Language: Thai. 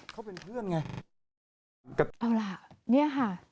ก็ละเนี่ยค่ะ